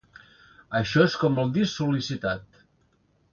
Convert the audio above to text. Això és com el disc sol.licitat.